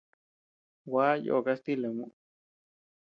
Gua yoo kastila muu.